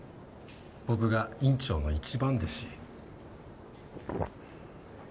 僕が院長の一番弟子。